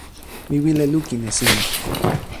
mi wile lukin e sina.